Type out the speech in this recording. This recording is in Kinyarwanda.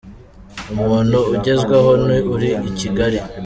Umuntu ugezweho ni uri ikigali